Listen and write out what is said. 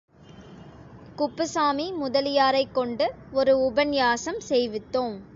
குப்புசாமி முதலியாரைக் கொண்டு ஒரு உபன்யாசம் செய்வித்தோம்.